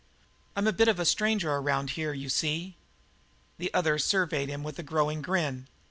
"I'm a bit of a stranger around here, you see." The other surveyed him with a growing grin.